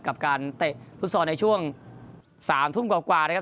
กับการเตะฟุตซอลในช่วง๓ทุ่มกว่านะครับ